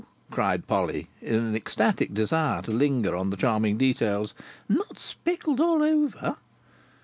cried Polly, in an ecstatic desire to linger on the charming details. "Not speckled all over!"